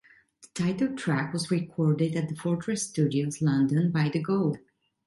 The title track was recorded at The Fortress Studios, London, by The Go!